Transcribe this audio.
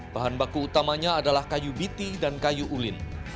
bahan baku utamanya adalah kayu biti dan kayu ulin